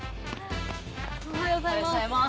おはようございます。